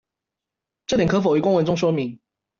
這點可否於公文中說明